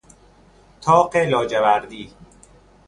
طاق لاجوردی